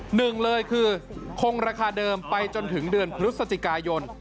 หนึ่งเลยคือคงราคาเดิมไปจนถึงเดือนพฤศจิกายน